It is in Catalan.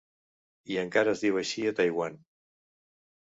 I encara es diu així a Taiwan.